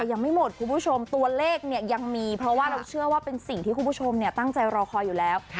ยังไม่หมดคุณผู้ชมตัวเลขเนี่ยยังมีเพราะว่าเราเชื่อว่าเป็นสิ่งที่คุณผู้ชมตั้งใจรอคอยอยู่แล้ว